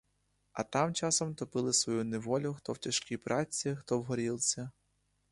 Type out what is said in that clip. А там часом топили свою неволю хто в тяжкій праці, хто в горілці.